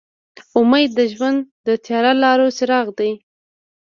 امید د ژوند د تیاره لارو څراغ دی.